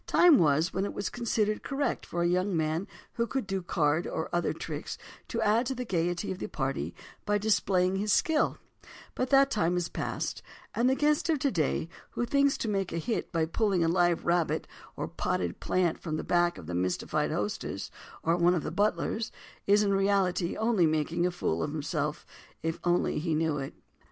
Time was when it was considered correct for a young man who could do card or other tricks to add to the gayety of the party by displaying his skill, but that time is past, and the guest of today, who thinks to make a "hit" by pulling a live rabbit or a potted plant from the back of the mystified hostess or one of the butlers, is in reality only making a "fool" of himself if he only knew it.